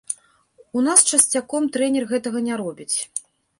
У нас часцяком трэнер гэтага не робіць.